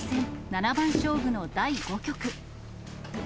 七番勝負の第５局。